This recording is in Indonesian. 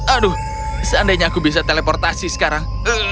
aduh seandainya aku bisa teleportasi sekarang